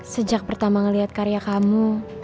sejak pertama ngelihat karya kamu